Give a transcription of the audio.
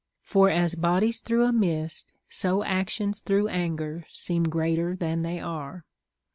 For as bodies through a mist, so actions through anger seem greater than they are.